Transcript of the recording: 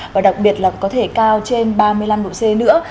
và đặc biệt là có thể cao trên ba mươi năm độ c nữa